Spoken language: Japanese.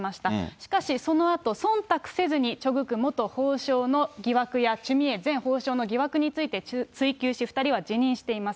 しかしそのあと、そんたくせずにチョ・グク元法相の疑惑や、チュ・ミエ前法相の疑惑について追及し、２人は辞任しています。